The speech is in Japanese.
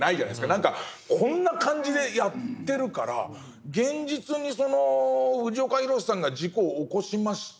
何かこんな感じでやってるから現実にその藤岡弘、さんが事故起こしました。